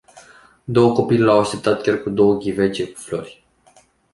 Două copile l-au așteptat chiar cu două ghivece cu flori.